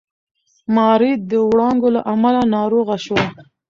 ماري د وړانګو له امله ناروغه شوه.